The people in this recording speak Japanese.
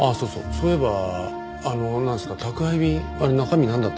そういえばなんですか宅配便あれ中身なんだったんですか？